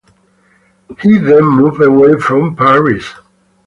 He then moved away from Paris.